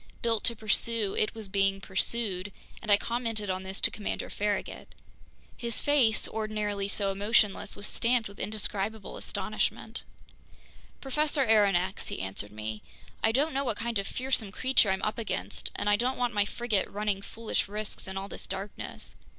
Built to pursue, it was being pursued, and I commented on this to Commander Farragut. His face, ordinarily so emotionless, was stamped with indescribable astonishment. "Professor Aronnax," he answered me, "I don't know what kind of fearsome creature I'm up against, and I don't want my frigate running foolish risks in all this darkness.